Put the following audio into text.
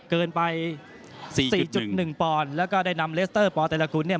เกินไปสี่สี่จุดหนึ่งปอนด์แล้วก็ได้นำเลสเตอร์ปอเตรกุลเนี่ย